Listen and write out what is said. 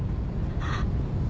あっ！